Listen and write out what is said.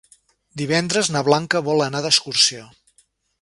Divendres na Blanca vol anar d'excursió.